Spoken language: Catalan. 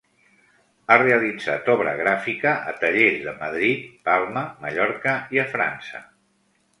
Ha realitzat obra gràfica a tallers de Madrid; Palma, Mallorca; i a França.